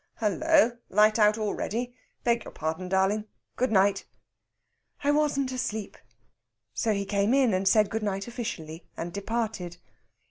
"Hullo! light out already? Beg your pardon, darling. Good night!" "I wasn't asleep." So he came in and said good night officially and departed.